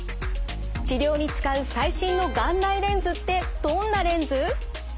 治療に使う最新の眼内レンズってどんなレンズ？